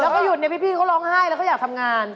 แล้วก็ช็อตในพริกก็ร้องไห้แล้วก็อยากทำงาน